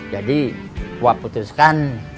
jadi wak putuskan